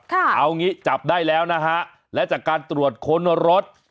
เอางี้จับได้แล้วนะฮะและจากการตรวจค้นรถ